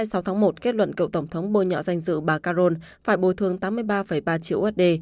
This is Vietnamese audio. sáng một kết luận cậu tổng thống bôi nhọ danh dự bà caron phải bồi thương tám mươi ba ba triệu usd